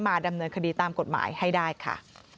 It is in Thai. ดำเนินคดีตามกฎหมายให้ได้ค่ะ